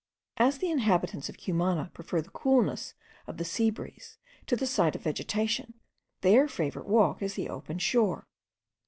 As the inhabitants of Cumana prefer the coolness of the sea breeze to the sight of vegetation, their favourite walk is the open shore.